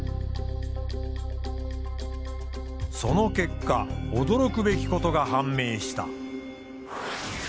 その結果驚くべきことが判明した。